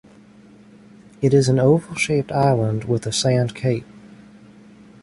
It is an oval-shaped island with a sand cape.